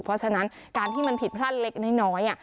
เพราะฉะนั้นการที่มันผิดพลาดเล็กน้อย